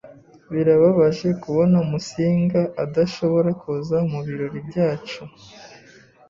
Birababaje kubona Musinga adashobora kuza mubirori byacu.